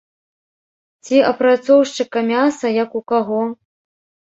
Ці апрацоўшчыка мяса, як у каго.